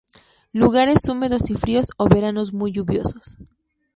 Lugares húmedos y fríos o veranos muy lluviosos.